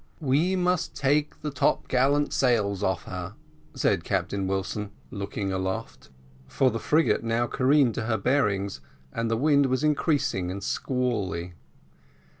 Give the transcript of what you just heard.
"We must take the top gallant sails off her," said Captain Wilson, looking aloft for the frigate now careened to her bearings, and the wind was increasing and squally.